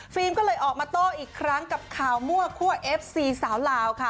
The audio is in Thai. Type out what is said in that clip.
ก็เลยออกมาโต้อีกครั้งกับข่าวมั่วคั่วเอฟซีสาวลาวค่ะ